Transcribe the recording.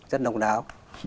rất đồng đáo